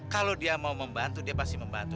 kalau dia mau membantu dia pasti membantu